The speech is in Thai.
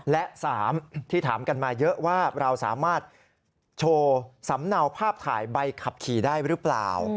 และ๓ที่ถามกันมาเยอะว่าเราสามารถโชว์สำเนาภาพถ่ายใบขับขี่ได้หรือเปล่า